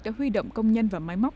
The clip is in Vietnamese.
đã huy động công nhân và máy móc